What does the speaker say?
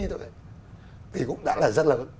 thì cũng đã là rất là lớn